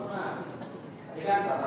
pada saat itu bangunan